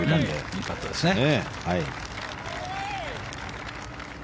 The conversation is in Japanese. いいパットですね。